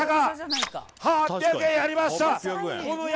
８００円やりました！